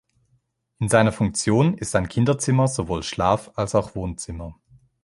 In seiner Funktion ist ein Kinderzimmer sowohl Schlaf- als auch Wohnzimmer.